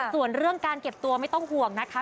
ส่วนเรื่องการเก็บตัวไม่ต้องห่วงนะคะ